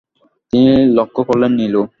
তিনি লক্ষ করলেন, নীলু।